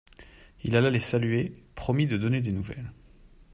Il alla les saluer, promit de donner des nouvelles.